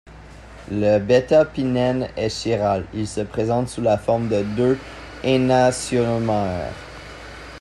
Le β-pinène est chiral, il se présente sous la forme de deux énantiomères.